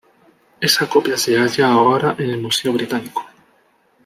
Esa copia se halla ahora en el Museo británico.